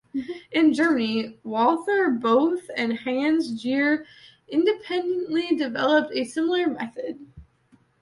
In Germany, Walther Bothe and Hans Geiger independently developed a similar method.